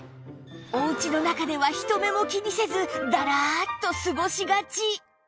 お家の中では人目も気にせずダラーッと過ごしがち